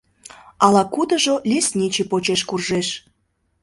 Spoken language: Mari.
Ала-кудыжо лесничий почеш куржеш.